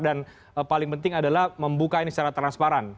dan paling penting adalah membuka ini secara transparan